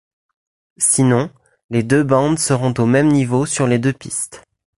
Sinon, les deux bandes seront au même niveau sur les deux pistes.